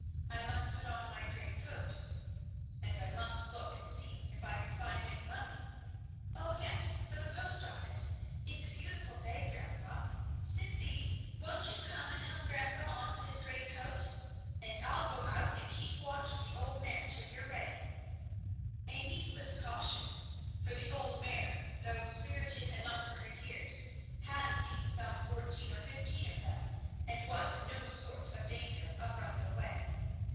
I must put on my great coat and I must look and see if I can find any money " "O yes for the post office. It's a beautiful day, grandpa. Cynthy! won't you come and help grandpa on with his great coat? And I'll go out and keep watch of the old mare till you're ready." A needless caution. For the old mare, though spirited enough for her years, had seen some fourteen or fifteen of them and was in no sort of danger of running away.